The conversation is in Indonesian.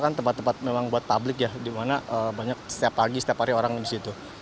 kan tempat tempat memang buat publik ya dimana banyak setiap pagi setiap hari orang di situ